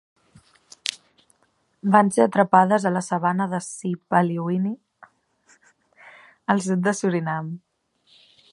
Van ser atrapades a la sabana de Sipaliwini al sud de Surinam.